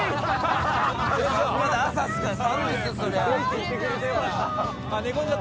まだ朝っすから寒いっすよ